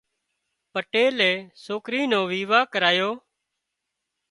پٽيلي سوڪرِي نو ويوا ڪريو